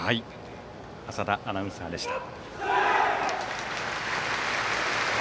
浅田アナウンサーでした。